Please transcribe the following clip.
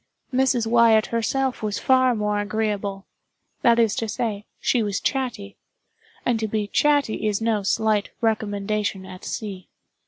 Mrs. Wyatt herself was far more agreeable. That is to say, she was chatty; and to be chatty is no slight recommendation at sea.